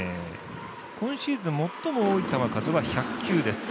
今シーズン最も多い球数は１００球です。